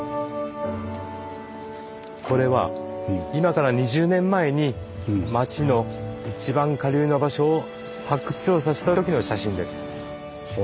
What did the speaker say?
これは今から２０年前に町の一番下流の場所を発掘調査したときの写真です。